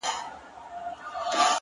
چي د مخ لمر يې تياره سي نيمه خوا سي ـ